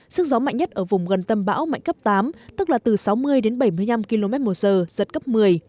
sức gió mạnh nhất ở vùng gần tâm bão mạnh cấp tám tức là từ sáu mươi đến bảy mươi năm km một giờ giật cấp một mươi